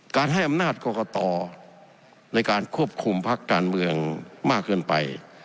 ให้อำนาจกรกตในการควบคุมพักการเมืองมากเกินไป